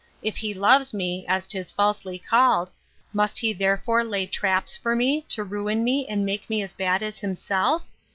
—If he loves me, as 'tis falsely called, must he therefore lay traps for me, to ruin me and make me as bad as himself?